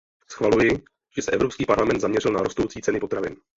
Schvaluji, že se Evropský parlament zaměřil na rostoucí ceny potravin.